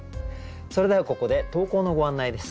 それではここで投稿のご案内です。